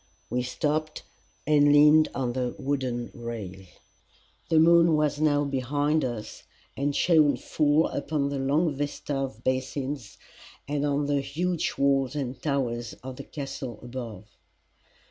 We stopped, and leaned on the wooden rail. The moon was now behind us, and shone full upon the long vista of basins and on the huge walls and towers of the Castle above.